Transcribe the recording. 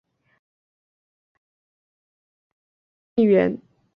清朝末年出任资政院议员。